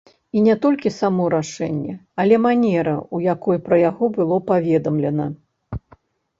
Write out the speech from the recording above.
І не толькі само рашэнне, але манера, у якой пра яго было паведамлена.